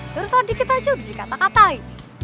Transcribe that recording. terus sedikit aja udah dikata katain